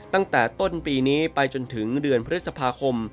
ตั้งแต่ต้นปีนี้ไปจนถึงเดือนพฤษภาคม